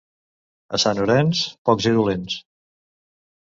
A Sant Orenç, pocs i dolents.